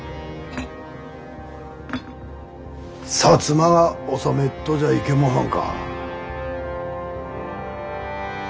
摩が治めっとじゃいけもはんか？